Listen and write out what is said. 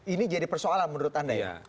ini jadi persoalan menurut anda ya